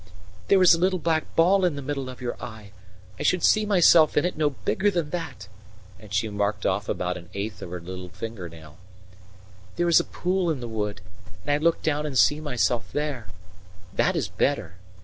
"There is a little black ball in the middle of your eye; I should see myself in it no bigger than that," and she marked off about an eighth of her little fingernail. "There is a pool in the wood, and I look down and see myself there. That is better.